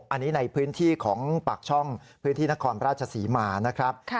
อันนี้ในพื้นที่ของปากช่องพื้นที่นครราชศรีมานะครับ